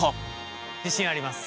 自信あります。